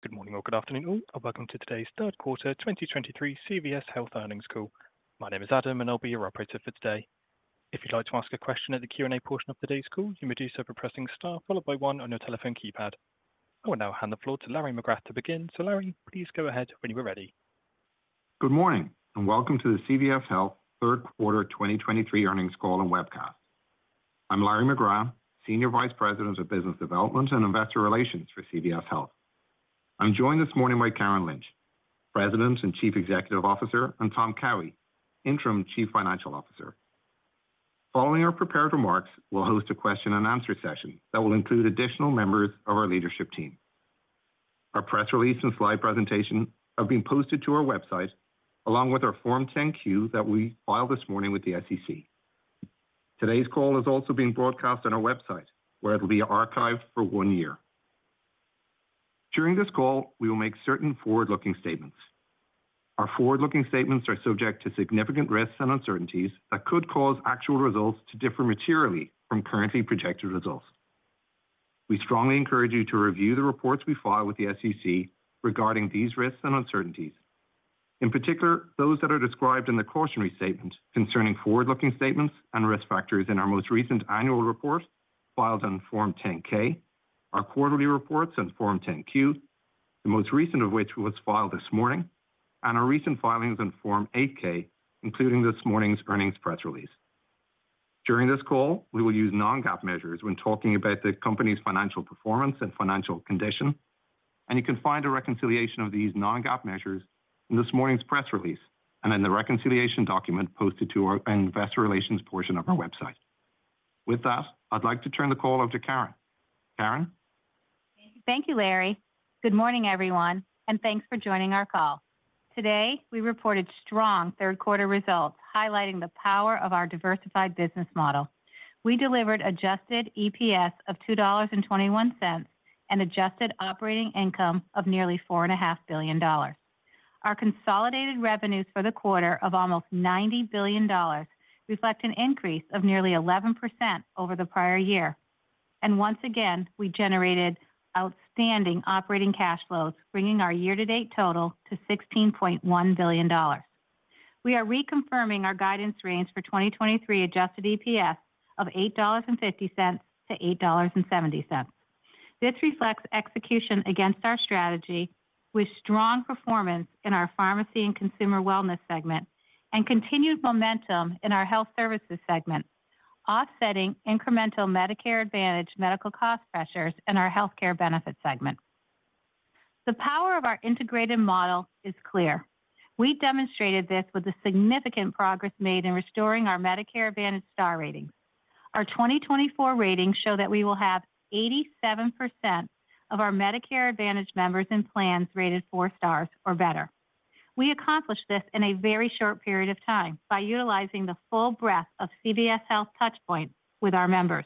Good morning or good afternoon all, and welcome to today's third quarter 2023 CVS Health earnings call. My name is Adam, and I'll be your operator for today. If you'd like to ask a question at the Q&A portion of today's call, you may do so by pressing star followed by one on your telephone keypad. I will now hand the floor to Larry McGrath to begin. So Larry, please go ahead when you are ready. Good morning, and welcome to the CVS Health third quarter 2023 earnings call and webcast. I'm Larry McGrath, Senior Vice President of Business Development and Investor Relations for CVS Health. I'm joined this morning by Karen Lynch, President and Chief Executive Officer, and Tom Cowhey, Interim Chief Financial Officer. Following our prepared remarks, we'll host a question and answer session that will include additional members of our leadership team. Our press release and slide presentation have been posted to our website, along with our Form 10-Q that we filed this morning with the SEC. Today's call is also being broadcast on our website, where it will be archived for 1 year. During this call, we will make certain forward-looking statements. Our forward-looking statements are subject to significant risks and uncertainties that could cause actual results to differ materially from currently projected results. We strongly encourage you to review the reports we file with the SEC regarding these risks and uncertainties, in particular, those that are described in the cautionary statement concerning forward-looking statements and risk factors in our most recent annual report filed on Form 10-K, our quarterly reports on Form 10-Q, the most recent of which was filed this morning, and our recent filings on Form 8-K, including this morning's earnings press release. During this call, we will use non-GAAP measures when talking about the company's financial performance and financial condition, and you can find a reconciliation of these non-GAAP measures in this morning's press release and in the reconciliation document posted to our investor relations portion of our website. With that, I'd like to turn the call over to Karen. Karen? Thank you, Larry. Good morning, everyone, and thanks for joining our call. Today, we reported strong third quarter results, highlighting the power of our diversified business model. We delivered adjusted EPS of $2.21, and adjusted operating income of nearly $4.5 billion. Our consolidated revenues for the quarter of almost $90 billion reflect an increase of nearly 11% over the prior year. And once again, we generated outstanding operating cash flows, bringing our year-to-date total to $16.1 billion. We are reconfirming our guidance range for 2023 adjusted EPS of $8.50-$8.70. This reflects execution against our strategy with strong performance in our pharmacy and consumer wellness segment, and continued momentum in our Health Services segment, offsetting incremental Medicare Advantage medical cost pressures in our Healthcare Benefit segment. The power of our integrated model is clear. We demonstrated this with the significant progress made in restoring our Medicare Advantage star ratings. Our 2024 ratings show that we will have 87% of our Medicare Advantage members and plans rated 4 stars or better. We accomplished this in a very short period of time by utilizing the full breadth of CVS Health touchpoints with our members.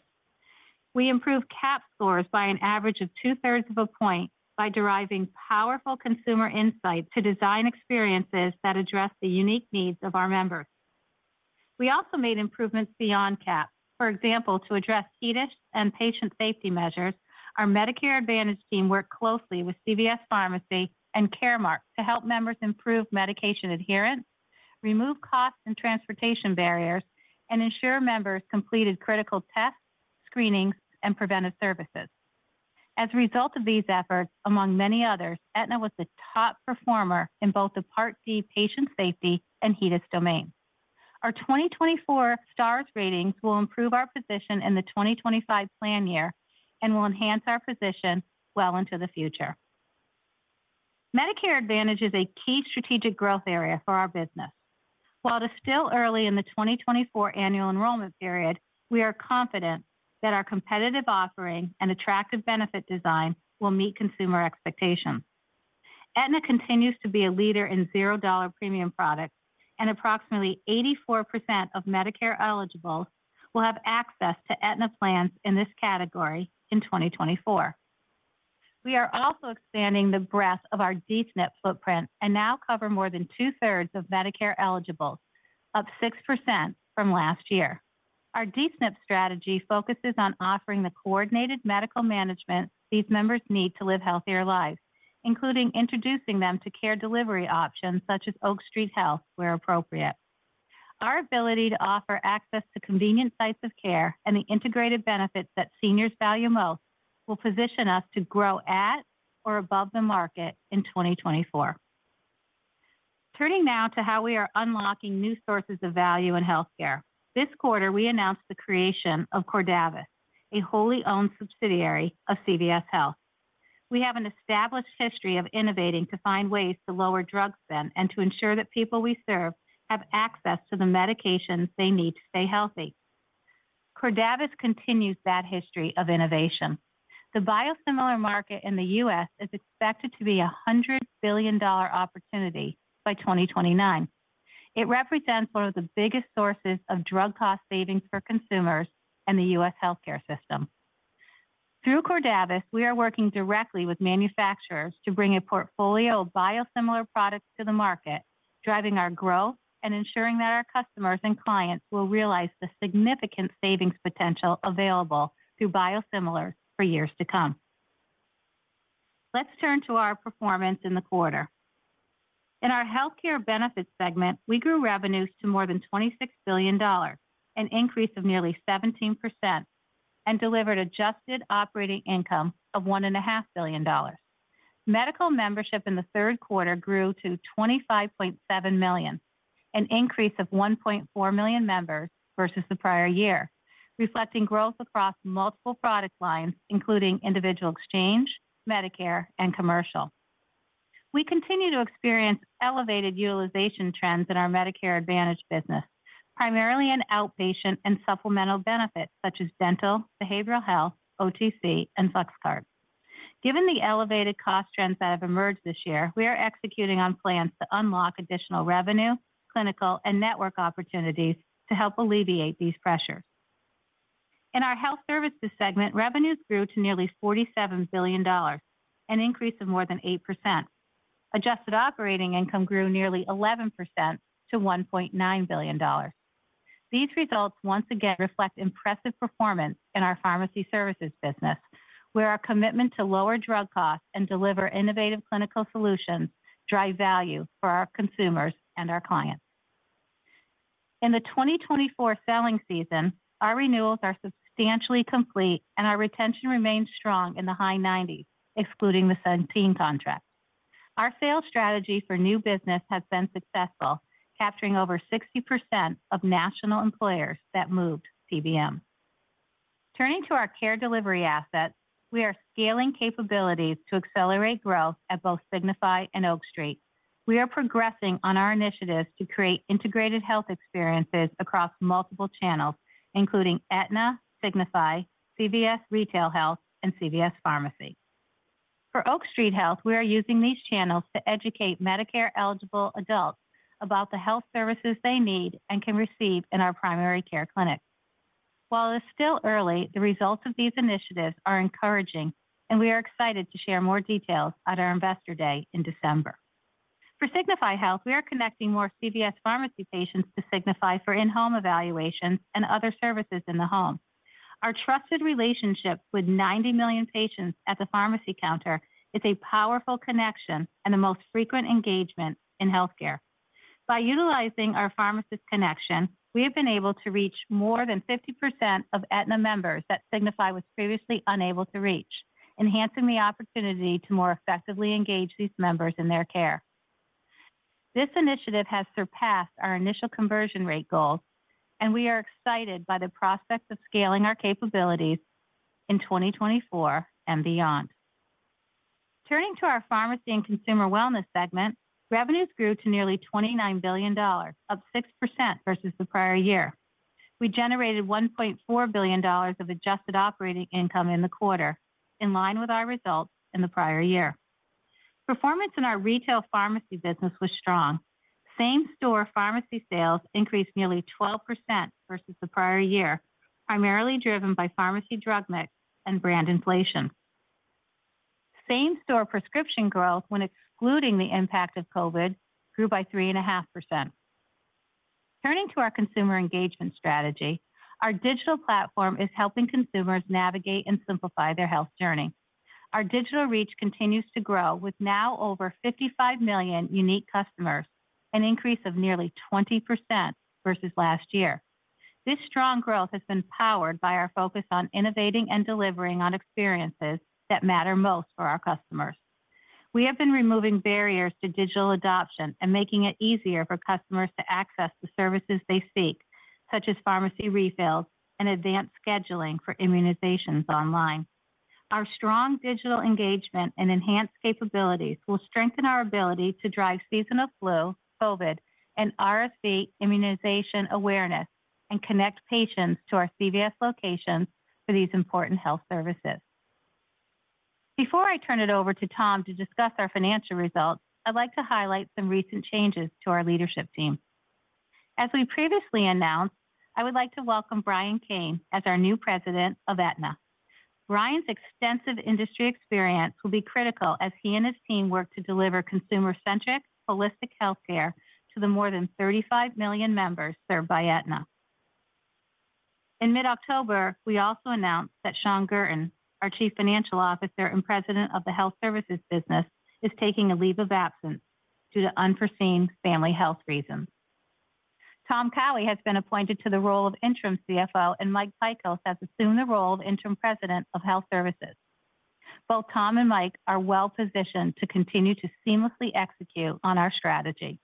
We improved CAHPS scores by an average of two-thirds of a point by deriving powerful consumer insights to design experiences that address the unique needs of our members. We also made improvements beyond CAP. For example, to address HEDIS and patient safety measures, our Medicare Advantage team worked closely with CVS Pharmacy and Caremark to help members improve medication adherence, remove costs and transportation barriers, and ensure members completed critical tests, screenings, and preventive services. As a result of these efforts, among many others, Aetna was the top performer in both the Part C patient safety and HEDIS domain. Our 2024 Star Ratings will improve our position in the 2025 plan year and will enhance our position well into the future. Medicare Advantage is a key strategic growth area for our business. While it is still early in the 2024 annual enrollment period, we are confident that our competitive offering and attractive benefit design will meet consumer expectations. Aetna continues to be a leader in zero dollar premium products, and approximately 84% of Medicare eligibles will have access to Aetna plans in this category in 2024. We are also expanding the breadth of our D-SNP footprint and now cover more than two-thirds of Medicare eligibles, up 6% from last year. Our D-SNP strategy focuses on offering the coordinated medical management these members need to live healthier lives, including introducing them to care delivery options such as Oak Street Health, where appropriate. Our ability to offer access to convenient sites of care and the integrated benefits that seniors value most will position us to grow at or above the market in 2024. Turning now to how we are unlocking new sources of value in healthcare. This quarter, we announced the creation of Cordavis, a wholly owned subsidiary of CVS Health. We have an established history of innovating to find ways to lower drug spend and to ensure that people we serve have access to the medications they need to stay healthy. Cordavis continues that history of innovation. The biosimilar market in the U.S. is expected to be a $100 billion opportunity by 2029. It represents one of the biggest sources of drug cost savings for consumers and the U.S. healthcare system. Through Cordavis, we are working directly with manufacturers to bring a portfolio of biosimilar products to the market, driving our growth and ensuring that our customers and clients will realize the significant savings potential available through biosimilar for years to come. Let's turn to our performance in the quarter. In our healthcare benefits segment, we grew revenues to more than $26 billion, an increase of nearly 17%, and delivered adjusted operating income of $1.5 billion. Medical membership in the third quarter grew to 25.7 million, an increase of 1.4 million members versus the prior year, reflecting growth across multiple product lines, including individual exchange, Medicare, and commercial. We continue to experience elevated utilization trends in our Medicare Advantage business, primarily in outpatient and supplemental benefits such as dental, behavioral health, OTC, and Flex Cards. Given the elevated cost trends that have emerged this year, we are executing on plans to unlock additional revenue, clinical, and network opportunities to help alleviate these pressures. In our health services segment, revenues grew to nearly $47 billion, an increase of more than 8%. Adjusted operating income grew nearly 11% to $1.9 billion. These results once again reflect impressive performance in our pharmacy services business, where our commitment to lower drug costs and deliver innovative clinical solutions drive value for our consumers and our clients. In the 2024 selling season, our renewals are substantially complete, and our retention remains strong in the high 90s, excluding the Centene contract. Our sales strategy for new business has been successful, capturing over 60% of national employers that moved PBM. Turning to our care delivery assets, we are scaling capabilities to accelerate growth at both Signify and Oak Street. We are progressing on our initiatives to create integrated health experiences across multiple channels, including Aetna, Signify, CVS Retail Health, and CVS Pharmacy. For Oak Street Health, we are using these channels to educate Medicare-eligible adults about the health services they need and can receive in our primary care clinics. While it's still early, the results of these initiatives are encouraging, and we are excited to share more details at our Investor Day in December. For Signify Health, we are connecting more CVS Pharmacy patients to Signify for in-home evaluations and other services in the home. Our trusted relationship with 90 million patients at the pharmacy counter is a powerful connection and the most frequent engagement in healthcare. By utilizing our pharmacist connection, we have been able to reach more than 50% of Aetna members that Signify was previously unable to reach, enhancing the opportunity to more effectively engage these members in their care. This initiative has surpassed our initial conversion rate goals, and we are excited by the prospects of scaling our capabilities in 2024 and beyond. Turning to our pharmacy and consumer wellness segment, revenues grew to nearly $29 billion, up 6% versus the prior year. We generated $1.4 billion of adjusted operating income in the quarter, in line with our results in the prior year. Performance in our retail pharmacy business was strong. Same-store pharmacy sales increased nearly 12% versus the prior year, primarily driven by pharmacy drug mix and brand inflation. Same-store prescription growth, when excluding the impact of COVID, grew by 3.5%. Turning to our consumer engagement strategy, our digital platform is helping consumers navigate and simplify their health journey. Our digital reach continues to grow, with now over 55 million unique customers, an increase of nearly 20% versus last year. This strong growth has been powered by our focus on innovating and delivering on experiences that matter most for our customers. We have been removing barriers to digital adoption and making it easier for customers to access the services they seek, such as pharmacy refills and advanced scheduling for immunizations online. Our strong digital engagement and enhanced capabilities will strengthen our ability to drive seasonal flu, COVID, and RSV immunization awareness, and connect patients to our CVS locations for these important health services. Before I turn it over to Tom to discuss our financial results, I'd like to highlight some recent changes to our leadership team. As we previously announced, I would like to welcome Brian Kane as our new president of Aetna. Brian's extensive industry experience will be critical as he and his team work to deliver consumer-centric, holistic healthcare to the more than 35 million members served by Aetna. In mid-October, we also announced that Shawn Guertin, our Chief Financial Officer and President of the Health Services business, is taking a leave of absence due to unforeseen family health reasons. Tom Cowhey has been appointed to the role of interim CFO, and Mike Pykosz has assumed the role of interim president of Health Services. Both Tom and Mike are well positioned to continue to seamlessly execute on our strategy.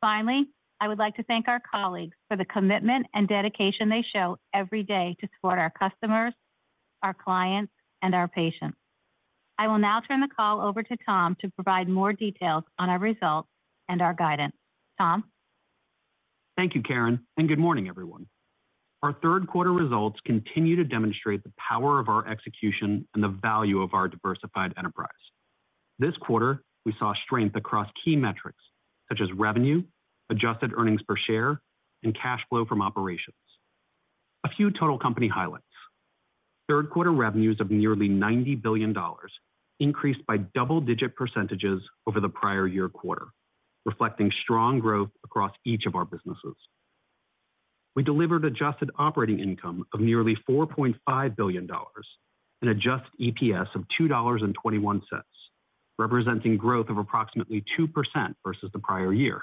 Finally, I would like to thank our colleagues for the commitment and dedication they show every day to support our customers, our clients, and our patients. I will now turn the call over to Tom to provide more details on our results and our guidance. Tom? Thank you, Karen, and good morning, everyone. Our third quarter results continue to demonstrate the power of our execution and the value of our diversified enterprise. This quarter, we saw strength across key metrics such as revenue, adjusted earnings per share, and cash flow from operations. A few total company highlights. Third quarter revenues of nearly $90 billion increased by double-digit percentages over the prior year quarter, reflecting strong growth across each of our businesses. We delivered adjusted operating income of nearly $4.5 billion and adjusted EPS of $2.21, representing growth of approximately 2% versus the prior year.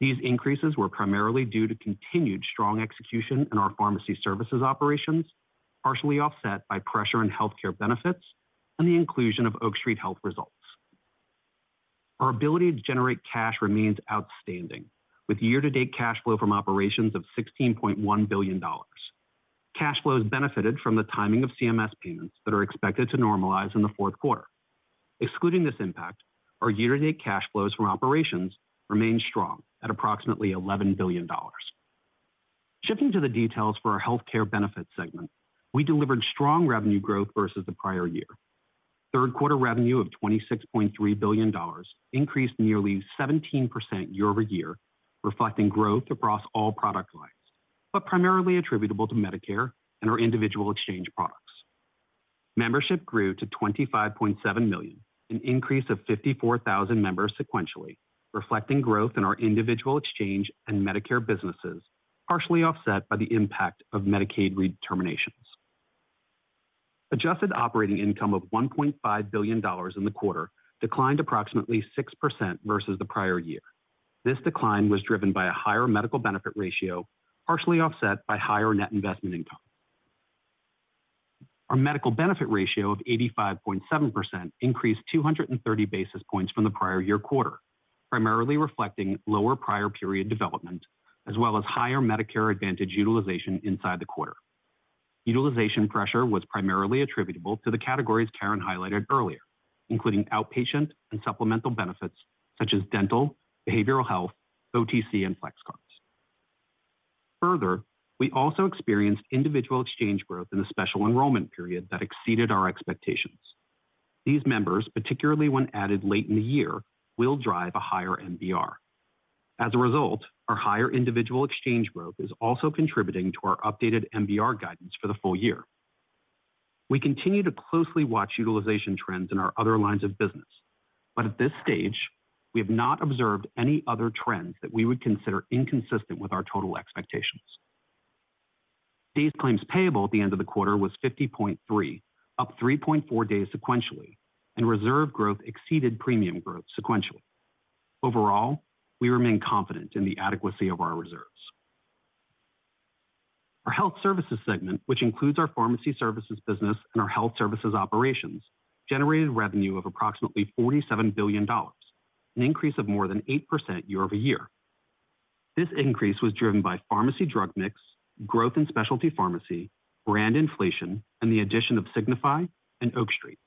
These increases were primarily due to continued strong execution in our pharmacy services operations, partially offset by pressure in healthcare benefits and the inclusion of Oak Street Health results. Our ability to generate cash remains outstanding, with year-to-date cash flow from operations of $16.1 billion. Cash flows benefited from the timing of CMS payments that are expected to normalize in the fourth quarter. Excluding this impact, our year-to-date cash flows from operations remain strong at approximately $11 billion. Shifting to the details for our healthcare benefits segment, we delivered strong revenue growth versus the prior year. Third quarter revenue of $26.3 billion increased nearly 17% year-over-year, reflecting growth across all product lines, but primarily attributable to Medicare and our individual exchange products. Membership grew to 25.7 million, an increase of 54,000 members sequentially, reflecting growth in our individual exchange and Medicare businesses, partially offset by the impact of Medicaid redeterminations. Adjusted operating income of $1.5 billion in the quarter declined approximately 6% versus the prior year. This decline was driven by a higher medical benefit ratio, partially offset by higher net investment income. Our medical benefit ratio of 85.7% increased 230 basis points from the prior year quarter, primarily reflecting lower prior period development, as well as higher Medicare Advantage utilization inside the quarter. Utilization pressure was primarily attributable to the categories Karen highlighted earlier, including outpatient and supplemental benefits such as dental, behavioral health, OTC, and flex cards. Further, we also experienced individual exchange growth in the special enrollment period that exceeded our expectations. These members, particularly when added late in the year, will drive a higher MBR. As a result, our higher individual exchange growth is also contributing to our updated MBR guidance for the full year. We continue to closely watch utilization trends in our other lines of business, but at this stage, we have not observed any other trends that we would consider inconsistent with our total expectations. Days Claims Payable at the end of the quarter was 50.3, up 3.4 days sequentially, and reserve growth exceeded premium growth sequentially. Overall, we remain confident in the adequacy of our reserves. Our health services segment, which includes our pharmacy services business and our health services operations, generated revenue of approximately $47 billion, an increase of more than 8% year-over-year. This increase was driven by pharmacy drug mix, growth in specialty pharmacy, brand inflation, and the addition of Signify and Oak Street.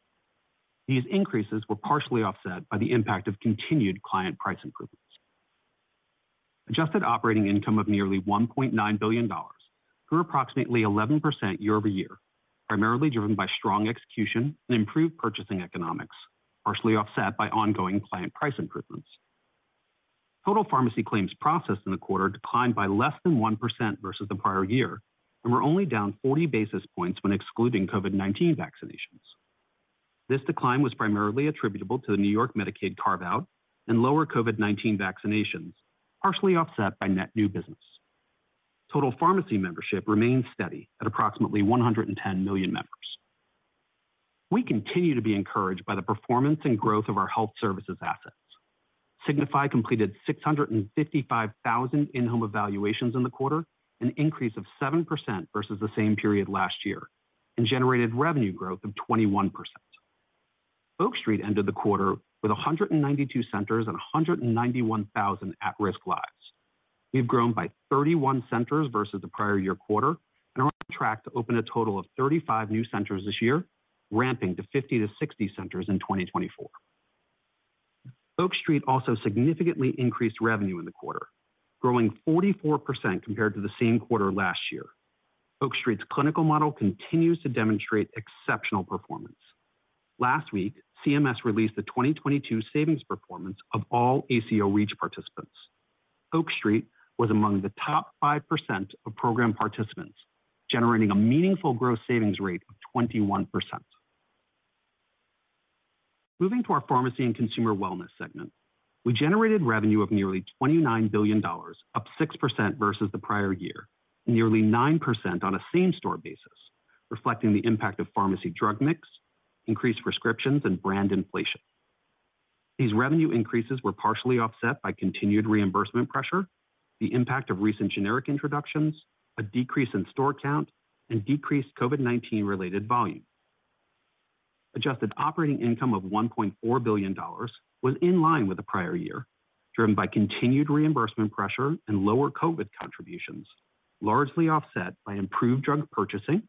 These increases were partially offset by the impact of continued client price improvements. Adjusted operating income of nearly $1.9 billion, grew approximately 11% year-over-year, primarily driven by strong execution and improved purchasing economics, partially offset by ongoing client price improvements. Total pharmacy claims processed in the quarter declined by less than 1% versus the prior year, and were only down 40 basis points when excluding COVID-19 vaccinations. This decline was primarily attributable to the New York Medicaid carve-out and lower COVID-19 vaccinations, partially offset by net new business. Total pharmacy membership remained steady at approximately 110 million members. We continue to be encouraged by the performance and growth of our health services assets. Signify completed 655,000 in-home evaluations in the quarter, an increase of 7% versus the same period last year, and generated revenue growth of 21%. Oak Street ended the quarter with 192 centers and 191,000 at-risk lives. We've grown by 31 centers versus the prior year quarter and are on track to open a total of 35 new centers this year, ramping to 50-60 centers in 2024. Oak Street also significantly increased revenue in the quarter, growing 44% compared to the same quarter last year. Oak Street's clinical model continues to demonstrate exceptional performance. Last week, CMS released the 2022 savings performance of all ACO REACH participants. Oak Street was among the top 5% of program participants, generating a meaningful gross savings rate of 21%. Moving to our pharmacy and consumer wellness segment, we generated revenue of nearly $29 billion, up 6% versus the prior year, and nearly 9% on a same-store basis, reflecting the impact of pharmacy drug mix, increased prescriptions, and brand inflation. These revenue increases were partially offset by continued reimbursement pressure, the impact of recent generic introductions, a decrease in store count, and decreased COVID-19 related volume. Adjusted operating income of $1.4 billion was in line with the prior year, driven by continued reimbursement pressure and lower COVID contributions, largely offset by improved drug purchasing,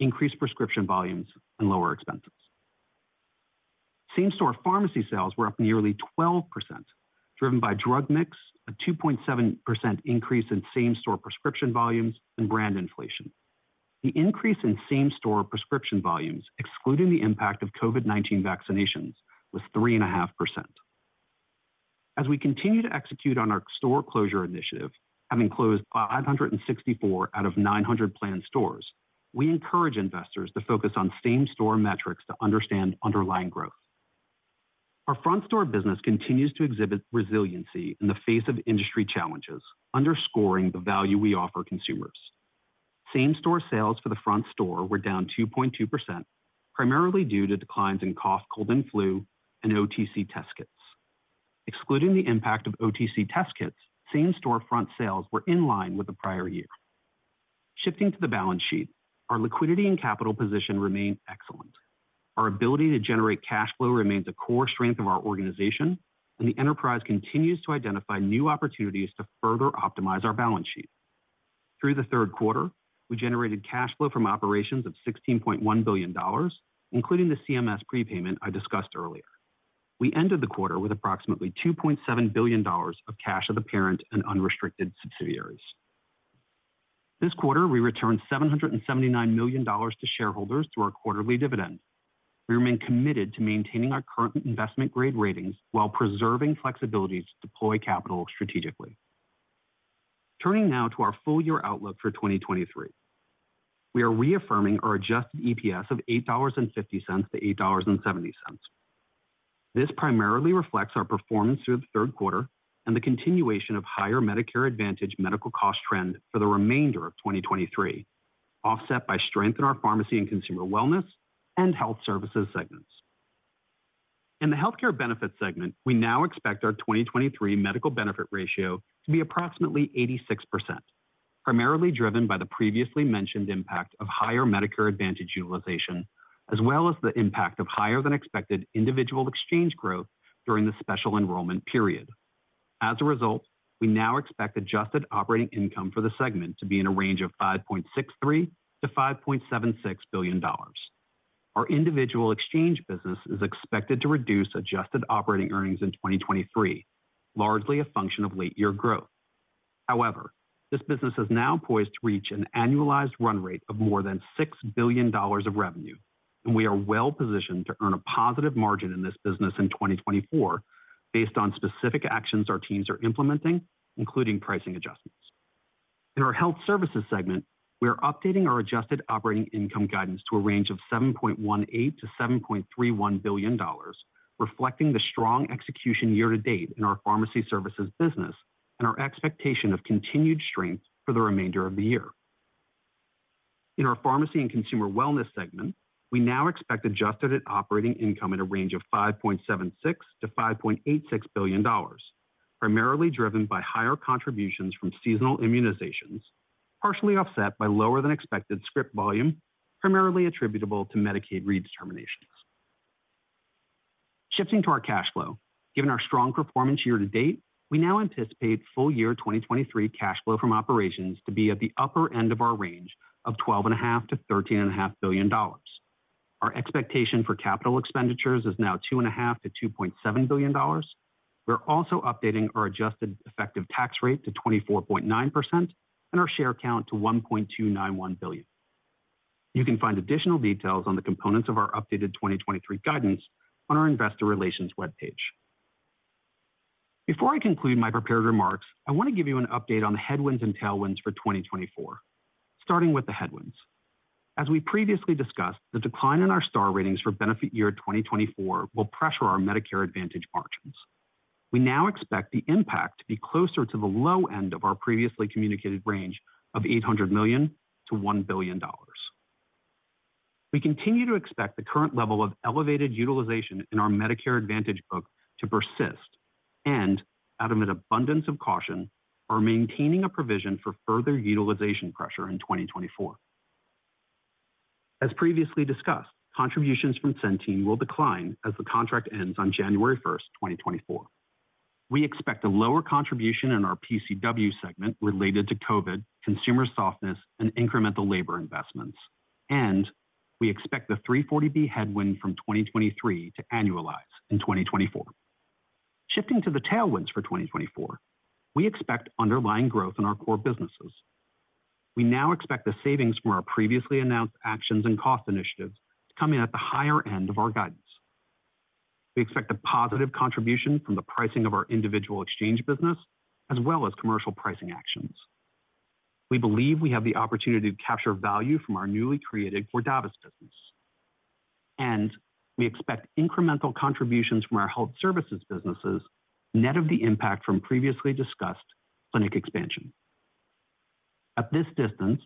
increased prescription volumes, and lower expenses. Same-store pharmacy sales were up nearly 12%, driven by drug mix, a 2.7% increase in same-store prescription volumes and brand inflation. The increase in same-store prescription volumes, excluding the impact of COVID-19 vaccinations, was 3.5%. As we continue to execute on our store closure initiative, having closed 564 out of 900 planned stores, we encourage investors to focus on same-store metrics to understand underlying growth. Our front store business continues to exhibit resiliency in the face of industry challenges, underscoring the value we offer consumers. Same-store sales for the front store were down 2.2%, primarily due to declines in cough, cold, and flu, and OTC test kits. Excluding the impact of OTC test kits, same-store front sales were in line with the prior year. Shifting to the balance sheet, our liquidity and capital position remain excellent. Our ability to generate cash flow remains a core strength of our organization, and the enterprise continues to identify new opportunities to further optimize our balance sheet. Through the third quarter, we generated cash flow from operations of $16.1 billion, including the CMS prepayment I discussed earlier. We ended the quarter with approximately $2.7 billion of cash of the parent and unrestricted subsidiaries. This quarter, we returned $779 million to shareholders through our quarterly dividend. We remain committed to maintaining our current investment grade ratings while preserving flexibility to deploy capital strategically. Turning now to our full year outlook for 2023. We are reaffirming our adjusted EPS of $8.50-$8.70. This primarily reflects our performance through the third quarter and the continuation of higher Medicare Advantage medical cost trend for the remainder of 2023, offset by strength in our pharmacy and consumer wellness and health services segments. In the healthcare benefit segment, we now expect our 2023 medical benefit ratio to be approximately 86%, primarily driven by the previously mentioned impact of higher Medicare Advantage utilization, as well as the impact of higher-than-expected individual exchange growth during the special enrollment period. As a result, we now expect adjusted operating income for the segment to be in a range of $5.63 billion-$5.76 billion. Our individual exchange business is expected to reduce adjusted operating earnings in 2023, largely a function of late year growth. However, this business is now poised to reach an annualized run rate of more than $6 billion of revenue, and we are well positioned to earn a positive margin in this business in 2024, based on specific actions our teams are implementing, including pricing adjustments. In our health services segment, we are updating our adjusted operating income guidance to a range of $7.18 billion-$7.31 billion, reflecting the strong execution year to date in our pharmacy services business and our expectation of continued strength for the remainder of the year. In our pharmacy and consumer wellness segment, we now expect adjusted operating income in a range of $5.76 billion-$5.86 billion, primarily driven by higher contributions from seasonal immunizations, partially offset by lower than expected script volume, primarily attributable to Medicaid redeterminations. Shifting to our cash flow. Given our strong performance year to date, we now anticipate full year 2023 cash flow from operations to be at the upper end of our range of $12.5 billion-$13.5 billion. Our expectation for capital expenditures is now $2.5 billion-$2.7 billion. We're also updating our adjusted effective tax rate to 24.9% and our share count to 1.291 billion. You can find additional details on the components of our updated 2023 guidance on our investor relations webpage. Before I conclude my prepared remarks, I want to give you an update on the headwinds and tailwinds for 2024. Starting with the headwinds. As we previously discussed, the decline in our Star Ratings for benefit year 2024 will pressure our Medicare Advantage margins. We now expect the impact to be closer to the low end of our previously communicated range of $800 million-$1 billion. We continue to expect the current level of elevated utilization in our Medicare Advantage book to persist and out of an abundance of caution, are maintaining a provision for further utilization pressure in 2024. As previously discussed, contributions from Centene will decline as the contract ends on January 1, 2024. We expect a lower contribution in our PCW segment related to COVID, consumer softness, and incremental labor investments, and we expect the 340B headwind from 2023 to annualize in 2024. Shifting to the tailwinds for 2024, we expect underlying growth in our core businesses. We now expect the savings from our previously announced actions and cost initiatives to come in at the higher end of our guidance. We expect a positive contribution from the pricing of our individual exchange business, as well as commercial pricing actions. We believe we have the opportunity to capture value from our newly created Cordavis business, and we expect incremental contributions from our health services businesses, net of the impact from previously discussed clinic expansion. At this distance,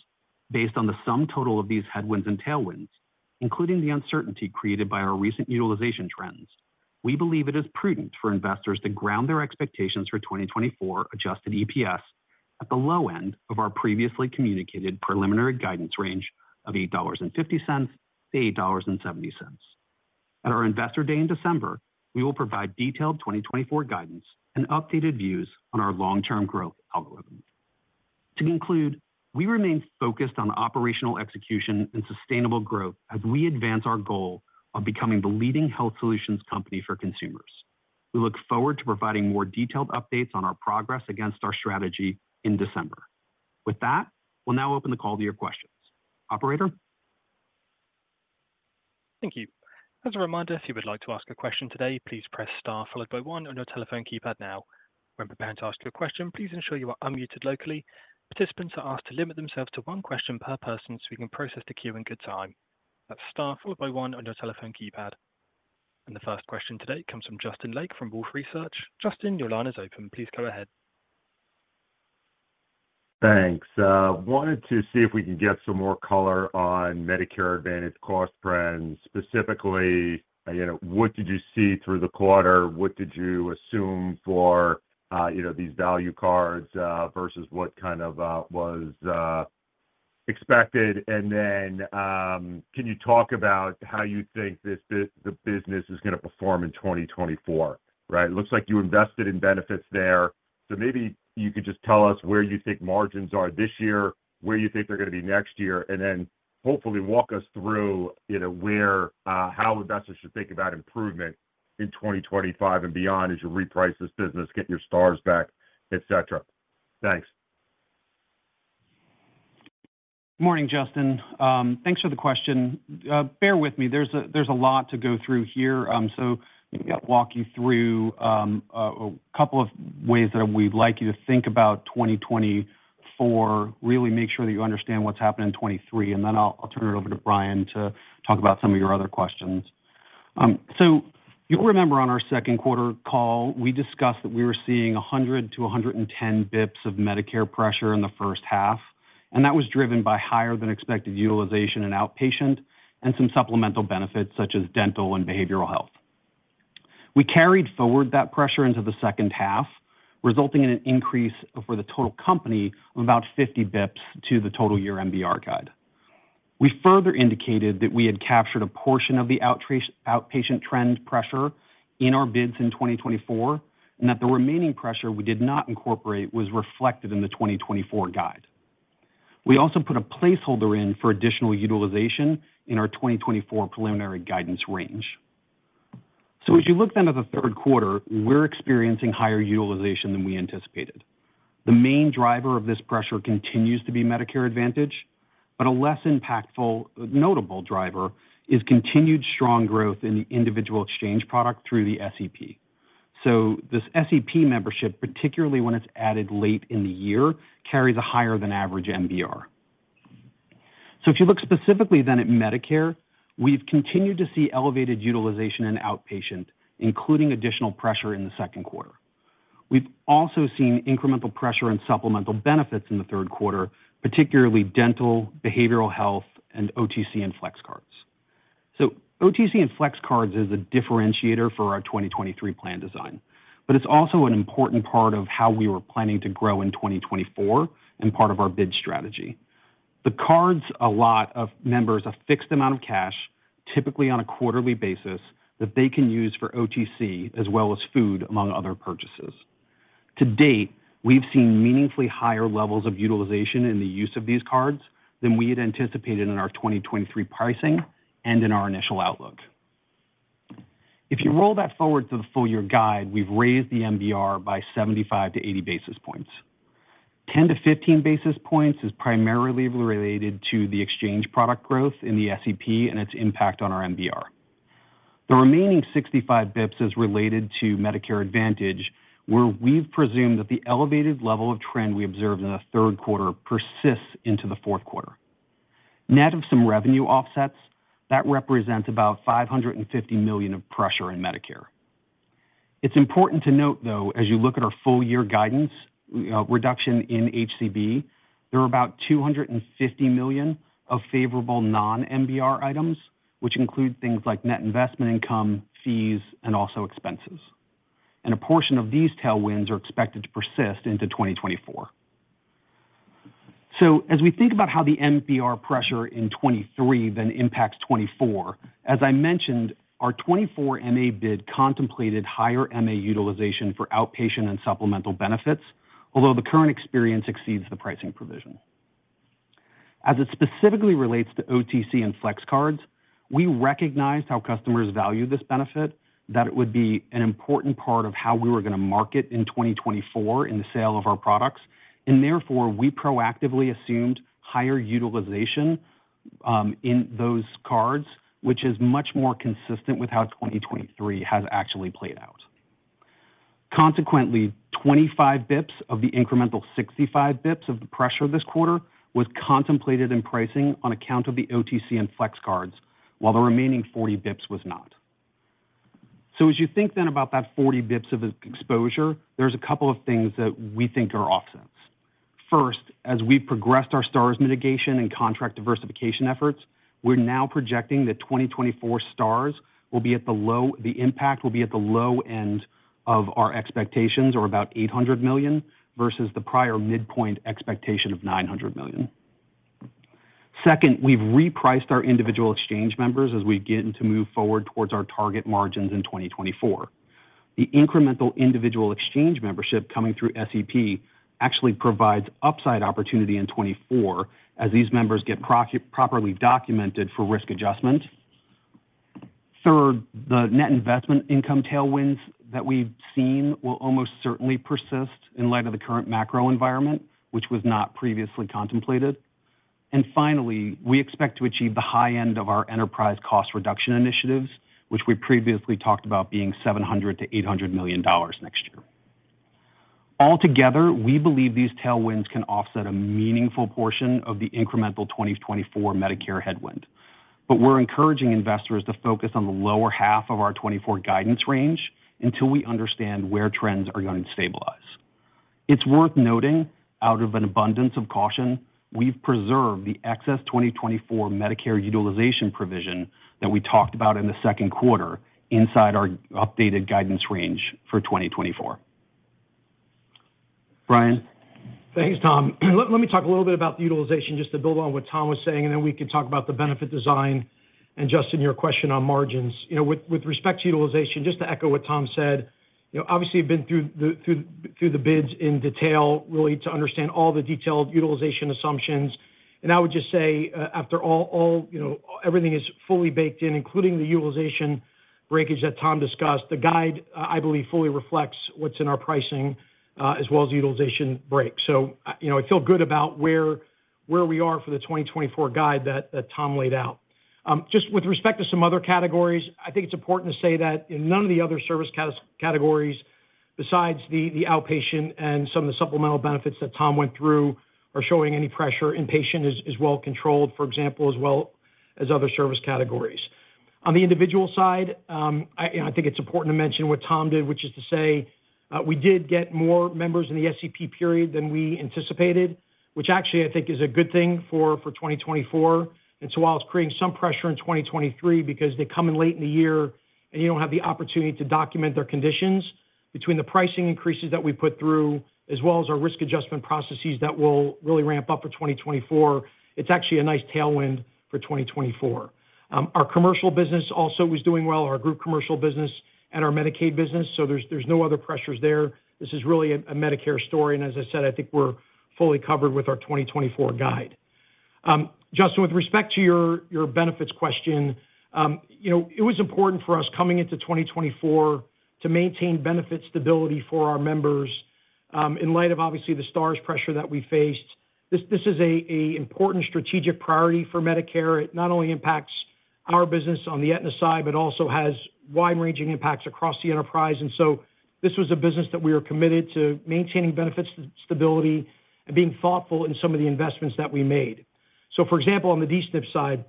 based on the sum total of these headwinds and tailwinds, including the uncertainty created by our recent utilization trends, we believe it is prudent for investors to ground their expectations for 2024 adjusted EPS at the low end of our previously communicated preliminary guidance range of $8.50-$8.70. At our Investor Day in December, we will provide detailed 2024 guidance and updated views on our long-term growth algorithm. To conclude, we remain focused on operational execution and sustainable growth as we advance our goal of becoming the leading health solutions company for consumers. We look forward to providing more detailed updates on our progress against our strategy in December. With that, we'll now open the call to your questions. Operator? Thank you. As a reminder, if you would like to ask a question today, please press star followed by one on your telephone keypad now. When preparing to ask your question, please ensure you are unmuted locally. Participants are asked to limit themselves to one question per person, so we can process the queue in good time. That's star followed by one on your telephone keypad. The first question today comes from Justin Lake from Wolfe Research. Justin, your line is open. Please go ahead. Thanks. Wanted to see if we could get some more color on Medicare Advantage cost trends. Specifically, you know, what did you see through the quarter? What did you assume for, you know, these value cards versus what kind of was expected? And then, can you talk about how you think the business is going to perform in 2024, right? It looks like you invested in benefits there. So maybe you could just tell us where you think margins are this year, where you think they're going to be next year, and then hopefully walk us through, you know, where how investors should think about improvement in 2025 and beyond as you reprice this business, get your stars back, et cetera. Thanks. Morning, Justin. Thanks for the question. Bear with me. There's a lot to go through here. So let me walk you through a couple of ways that we'd like you to think about 2024, really make sure that you understand what's happened in 2023, and then I'll turn it over to Brian to talk about some of your other questions. So you'll remember on our second quarter call, we discussed that we were seeing 100-110 BPS of Medicare pressure in the first half, and that was driven by higher than expected utilization in outpatient and some supplemental benefits, such as dental and behavioral health. We carried forward that pressure into the second half, resulting in an increase for the total company of about 50 BPS to the total year MBR guide. We further indicated that we had captured a portion of the outpatient trend pressure in our bids in 2024, and that the remaining pressure we did not incorporate was reflected in the 2024 guide. We also put a placeholder in for additional utilization in our 2024 preliminary guidance range. So as you look then at the third quarter, we're experiencing higher utilization than we anticipated. The main driver of this pressure continues to be Medicare Advantage, but a less impactful, notable driver is continued strong growth in the individual exchange product through the SEP. So this SEP membership, particularly when it's added late in the year, carries a higher than average MBR. So if you look specifically then at Medicare, we've continued to see elevated utilization in outpatient, including additional pressure in the second quarter. We've also seen incremental pressure in supplemental benefits in the third quarter, particularly dental, behavioral health, and OTC and flex cards. OTC and flex cards is a differentiator for our 2023 plan design, but it's also an important part of how we were planning to grow in 2024 and part of our bid strategy. The cards a lot of members a fixed amount of cash, typically on a quarterly basis, that they can use for OTC as well as food, among other purchases. To date, we've seen meaningfully higher levels of utilization in the use of these cards than we had anticipated in our 2023 pricing and in our initial outlook. If you roll that forward to the full year guide, we've raised the MBR by 75-80 basis points. 10-15 basis points is primarily related to the exchange product growth in the SEP and its impact on our MBR. The remaining 65 basis points is related to Medicare Advantage, where we've presumed that the elevated level of trend we observed in the third quarter persists into the fourth quarter. Net of some revenue offsets, that represents about $550 million of pressure in Medicare. It's important to note, though, as you look at our full year guidance, reduction in HCB, there are about $250 million of favorable non-MBR items, which include things like net investment income, fees, and also expenses. And a portion of these tailwinds are expected to persist into 2024. So as we think about how the MBR pressure in 2023 then impacts 2024, as I mentioned, our 2024 MA bid contemplated higher MA utilization for outpatient and supplemental benefits, although the current experience exceeds the pricing provision. As it specifically relates to OTC and flex cards, we recognized how customers value this benefit, that it would be an important part of how we were going to market in 2024 in the sale of our products, and therefore, we proactively assumed higher utilization in those cards, which is much more consistent with how 2023 has actually played out. Consequently, 25 BPS of the incremental 65 BPS of the pressure this quarter was contemplated in pricing on account of the OTC and flex cards, while the remaining 40 BPS was not. As you think then about that 40 basis points of exposure, there's a couple of things that we think are offsets. First, as we progressed our stars mitigation and contract diversification efforts, we're now projecting that 2024 stars will be at the low end of our expectations, or about $800 million, versus the prior midpoint expectation of $900 million. Second, we've repriced our individual exchange members as we begin to move forward towards our target margins in 2024. The incremental individual exchange membership coming through SEP actually provides upside opportunity in 2024 as these members get properly documented for risk adjustment. Third, the net investment income tailwinds that we've seen will almost certainly persist in light of the current macro environment, which was not previously contemplated. Finally, we expect to achieve the high end of our enterprise cost reduction initiatives, which we previously talked about being $700 million-$800 million next year. Altogether, we believe these tailwinds can offset a meaningful portion of the incremental 2024 Medicare headwind. We're encouraging investors to focus on the lower half of our 2024 guidance range until we understand where trends are going to stabilize. It's worth noting, out of an abundance of caution, we've preserved the excess 2024 Medicare utilization provision that we talked about in the second quarter inside our updated guidance range for 2024. Brian? Thanks, Tom. Let me talk a little bit about the utilization, just to build on what Tom was saying, and then we can talk about the benefit design and Justin, your question on margins. You know, with respect to utilization, just to echo what Tom said, you know, obviously, you've been through the bids in detail, really to understand all the detailed utilization assumptions. And I would just say, after all, you know, everything is fully baked in, including the utilization breakage that Tom discussed. The guide, I believe, fully reflects what's in our pricing, as well as the utilization break. So, you know, I feel good about where we are for the 2024 guide that Tom laid out. Just with respect to some other categories, I think it's important to say that in none of the other service categories, besides the outpatient and some of the supplemental benefits that Tom went through, are showing any pressure. Inpatient is well controlled, for example, as well as other service categories. On the individual side, I think it's important to mention what Tom did, which is to say, we did get more members in the SEP period than we anticipated, which actually, I think is a good thing for 2024. So while it's creating some pressure in 2023 because they come in late in the year and you don't have the opportunity to document their conditions, between the pricing increases that we put through, as well as our risk adjustment processes that will really ramp up for 2024, it's actually a nice tailwind for 2024. Our commercial business also was doing well, our group commercial business and our Medicaid business, so there's no other pressures there. This is really a Medicare story, and as I said, I think we're fully covered with our 2024 guide. Justin, with respect to your benefits question, you know, it was important for us coming into 2024 to maintain benefit stability for our members, in light of obviously, the stars pressure that we faced. This is an important strategic priority for Medicare. It not only impacts our business on the Aetna side, but also has wide-ranging impacts across the enterprise. So this was a business that we were committed to maintaining benefits stability, and being thoughtful in some of the investments that we made. So, for example, on the D-SNP side,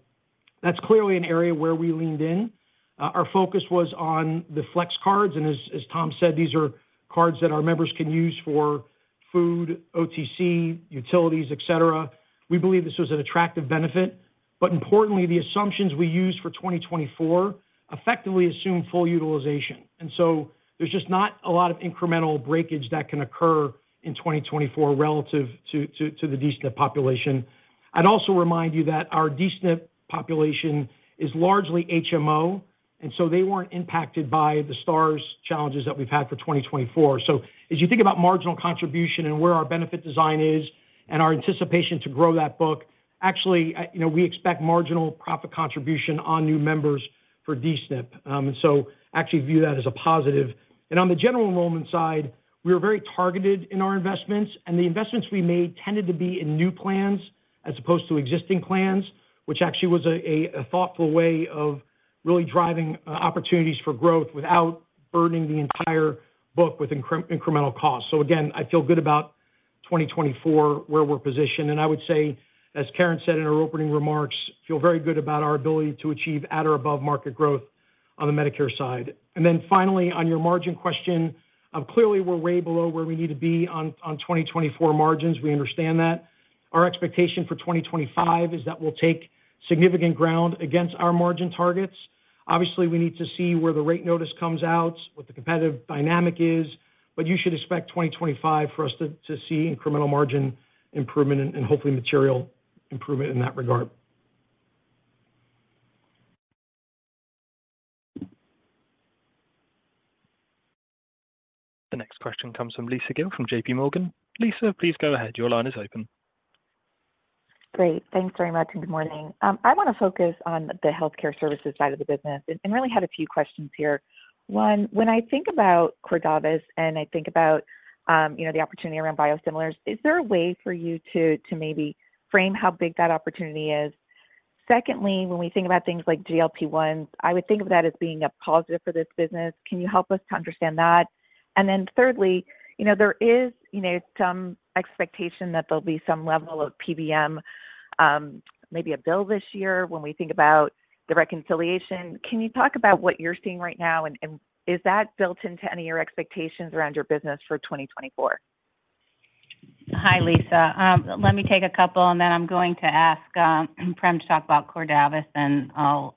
that's clearly an area where we leaned in. Our focus was on the Flex Cards, and as Tom said, these are cards that our members can use for food, OTC, utilities, et cetera. We believe this was an attractive benefit, but importantly, the assumptions we used for 2024 effectively assume full utilization. So there's just not a lot of incremental breakage that can occur in 2024 relative to the D-SNP population. I'd also remind you that our D-SNP population is largely HMO, and so they weren't impacted by the stars challenges that we've had for 2024. So as you think about marginal contribution and where our benefit design is and our anticipation to grow that book, actually, you know, we expect marginal profit contribution on new members for D-SNP. And so actually view that as a positive. And on the general enrollment side, we are very targeted in our investments, and the investments we made tended to be in new plans as opposed to existing plans, which actually was a thoughtful way of really driving opportunities for growth without burdening the entire book with incremental costs. So again, I feel good about 2024, where we're positioned. I would say, as Karen said in her opening remarks, feel very good about our ability to achieve at or above-market growth on the Medicare side. And then finally, on your margin question, clearly, we're way below where we need to be on 2024 margins. We understand that. Our expectation for 2025 is that we'll take significant ground against our margin targets. Obviously, we need to see where the rate notice comes out, what the competitive dynamic is, but you should expect 2025 for us to see incremental margin improvement and hopefully material improvement in that regard. The next question comes from Lisa Gill from JP Morgan. Lisa, please go ahead. Your line is open. Great. Thanks very much, and good morning. I want to focus on the healthcare services side of the business, and really had a few questions here. One, when I think about Cordavis, and I think about, you know, the opportunity around biosimilars, is there a way for you to maybe frame how big that opportunity is? Secondly, when we think about things like GLP-1, I would think of that as being a positive for this business. Can you help us to understand that? And then thirdly, you know, there is, you know, some expectation that there'll be some level of PBM, maybe a bill this year when we think about the reconciliation. Can you talk about what you're seeing right now, and is that built into any of your expectations around your business for 2024? Hi, Lisa. Let me take a couple, and then I'm going to ask, Prem to talk about Cordavis, and I'll,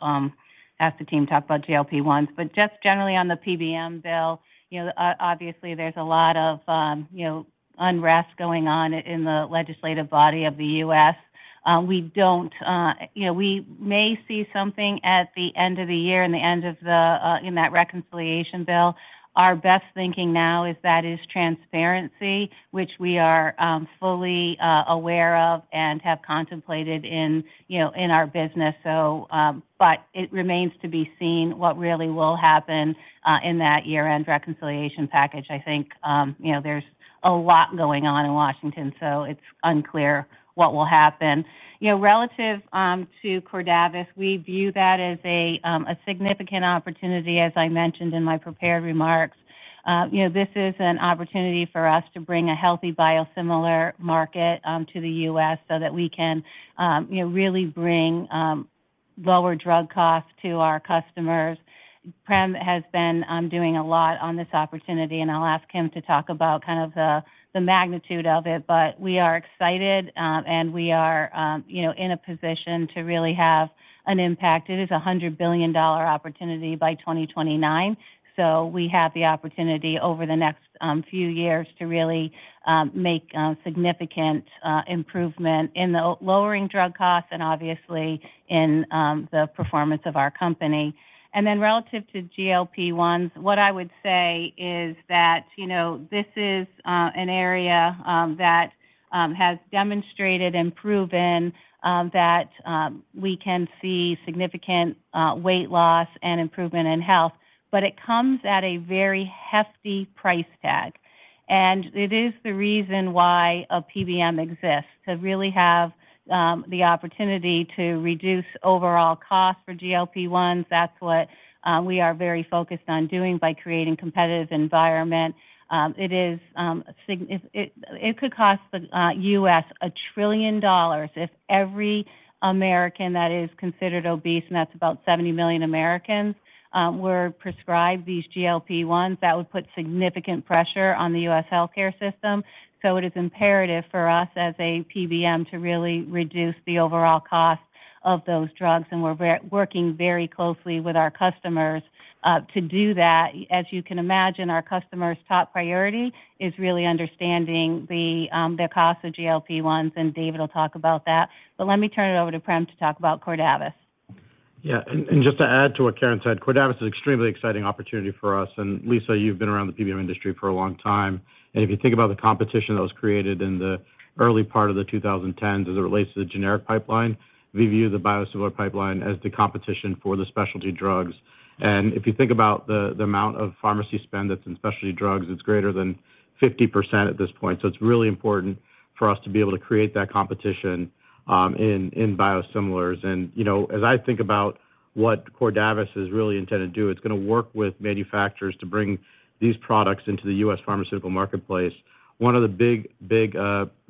ask the team to talk about GLP-1. But just generally on the PBM bill, you know, obviously, there's a lot of, you know, unrest going on in the legislative body of the U.S. We don't, you know, we may see something at the end of the year, in the end of the, in that reconciliation bill. Our best thinking now is that is transparency, which we are, fully, aware of and have contemplated in, you know, in our business. So, but it remains to be seen what really will happen, in that year-end reconciliation package. I think, you know, there's a lot going on in Washington, so it's unclear what will happen. You know, relative to Cordavis, we view that as a significant opportunity, as I mentioned in my prepared remarks. You know, this is an opportunity for us to bring a healthy biosimilar market to the U.S. so that we can, you know, really bring lower drug costs to our customers. Prem has been doing a lot on this opportunity, and I'll ask him to talk about kind of the magnitude of it, but we are excited, and we are, you know, in a position to really have an impact. It is a $100 billion opportunity by 2029, so we have the opportunity over the next few years to really make significant improvement in the lowering drug costs and obviously in the performance of our company. Then relative to GLP-1s, what I would say is that, you know, this is an area that has demonstrated and proven that we can see significant weight loss and improvement in health, but it comes at a very hefty price tag. It is the reason why a PBM exists, to really have the opportunity to reduce overall costs for GLP-1s. That's what we are very focused on doing by creating competitive environment. It could cost the U.S. $1 trillion if every American that is considered obese, and that's about 70 million Americans, were prescribed these GLP-1s. That would put significant pressure on the U.S. healthcare system. So it is imperative for us as a PBM to really reduce the overall cost of those drugs, and we're very working very closely with our customers, to do that. As you can imagine, our customers' top priority is really understanding the cost of GLP-1s, and David will talk about that. But let me turn it over to Prem to talk about Cordavis. Yeah, and, and just to add to what Karen said, Cordavis is extremely exciting opportunity for us. And Lisa, you've been around the PBM industry for a long time, and if you think about the competition that was created in the early part of the 2010s as it relates to the generic pipeline, we view the biosimilar pipeline as the competition for the specialty drugs. And if you think about the amount of pharmacy spend that's in specialty drugs, it's greater than 50% at this point. So it's really important for us to be able to create that competition in biosimilars. And, you know, as I think about what Cordavis is really intended to do, it's gonna work with manufacturers to bring these products into the U.S. pharmaceutical marketplace. One of the big, big